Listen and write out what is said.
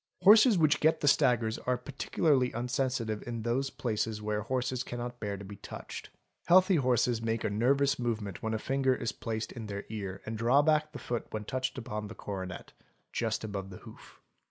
Horses which get the staggers are particularly unsensitive in those places where horses cannot bear to be touched. Healthy horses make a nervous movement when a finger is placed in their ear and draw back the foot when touched upon the coronet (just above the hoof).